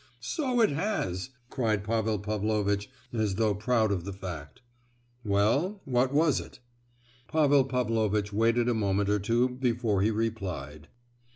"So it has," cried Pavel Pavlovitch, as though proud of the fact. "Well, what was it?" Pavel Pavlovitch waited a moment or two before he replied.